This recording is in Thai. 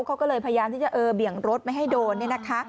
เขาก็เลยพยายามที่จะเบี่ยงรถไม่ให้โดน